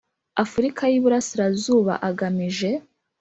Afurika y iburasirazuba agamije